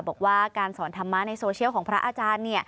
บอกว่าการสอนธรรมะในโซเชียลของพระอาจารย์